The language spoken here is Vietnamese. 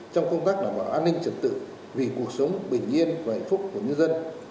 trong công tác đảm bảo an ninh trật tự vì cuộc sống bình yên và hạnh phúc của nhân dân